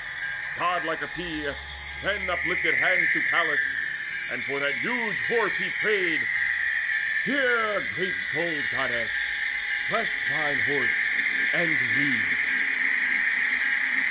Godlike Epeius then uplifted hands To Pallas, and for that huge Horse he prayed: "Hear, great souled Goddess: bless thine Horse and me!"